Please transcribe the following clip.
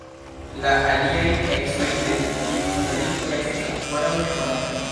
La aliaj ecoj de tiu satelito estas ankoraŭ nekonataj.